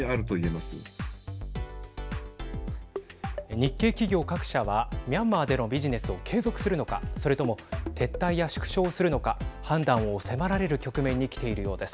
日系企業各社はミャンマーでのビジネスを継続するのかそれとも撤退や縮小をするのか判断を迫られる局面に来ているようです。